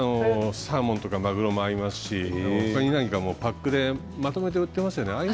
サーモンとかマグロも合いますしパックでまとめて売っていますよね。